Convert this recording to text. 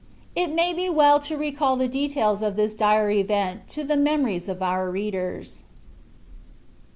It may be well to recall the details of this dire event to the memories of our readers.